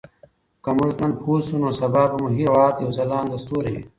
که موږ نن پوه شو نو سبا به مو هېواد یو ځلانده ستوری وي.